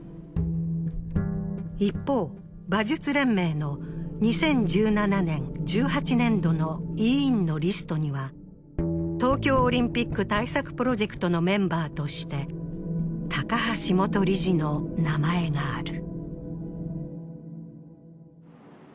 一方、馬術連盟の２０１７年、１８年度の委員のリストには東京オリンピック対策プロジェクトのメンバーとして高橋元理事の名前がある。